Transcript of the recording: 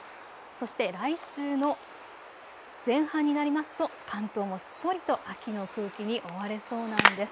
そして来週の前半になりますと関東もすっぽりと秋の空気に覆われそうなんです。